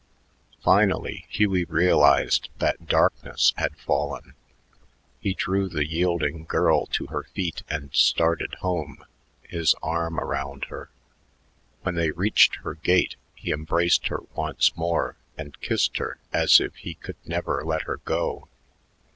Finally Hugh realized that darkness had fallen. He drew the yielding girl to her feet and started home, his arm around her. When they reached her gate, he embraced her once more and kissed her as if he could never let her go.